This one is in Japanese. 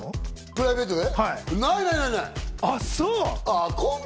プライベートで？